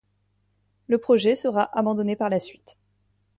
Le projet sera abandonné par la suite.